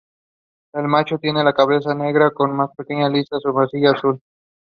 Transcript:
Ai Sugiyama won the singles title.